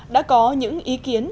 đã có những ý kiến